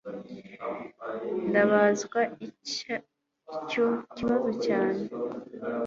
Ndabazwa icyo kibazo cyane